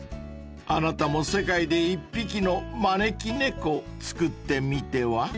［あなたも世界で一匹の招き猫作ってみては？］